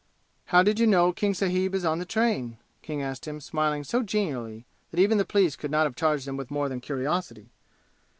"How did you know King sahib is on the train?" King asked him, smiling so genially that even the police could not have charged him with more than curiosity.